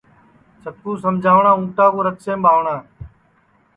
چکُو سمجاوٹؔا اُنٚٹا کُو رکسیم ٻاوٹؔا